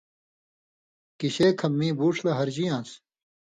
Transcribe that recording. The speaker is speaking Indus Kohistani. گِشےۡ کھم مِیں بُوڇھ لہ ہرژِیان٘س۔